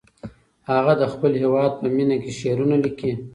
هغه د خپل هېواد په مینه کې شعرونه لیکي.